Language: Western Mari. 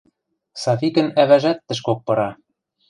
Савикӹн ӓвӓжӓт тӹшкок пыра.